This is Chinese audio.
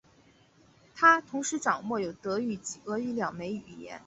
他同时掌握有德语及俄语两门语言。